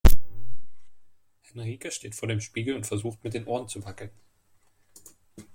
Henrike steht vor dem Spiegel und versucht mit den Ohren zu wackeln.